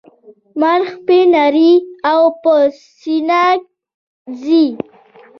مار پښې نلري او په سینه ځي